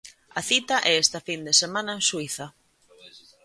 A cita é esta fin de semana en Suíza.